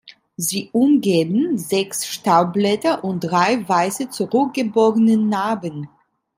Sie umgeben sechs Staubblätter und drei weiße zurückgebogenen Narben.